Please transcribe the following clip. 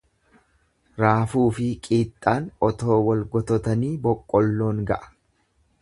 Raafuufi qiixxaan otoo wal gototanii boqqolloon ga'a.